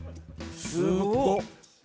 すごっ。